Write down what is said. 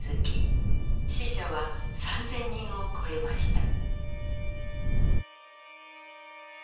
死者は３，０００人を超えました。